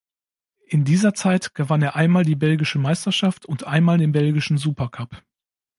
In dieser Zeit gewann er einmal die belgische Meisterschaft und einmal den belgischen Supercup.